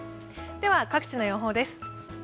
では、各地の予報です。